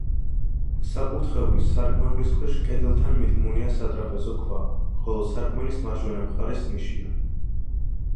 საკურთხევლის სარკმლის ქვეშ, კედელთან მიდგმულია სატრაპეზო ქვა, ხოლო სარკმლის მარჯვენა მხარეს ნიშია.